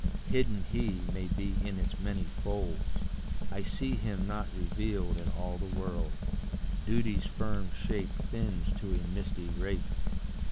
Hidden He may be in its many folds I see him not revealed in all the world Duty's firm shape thins to a misty wraith.